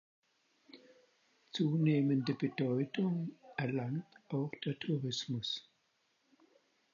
Zunehmende Bedeutung erlangt auch der Tourismus.